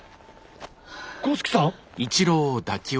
五色さん？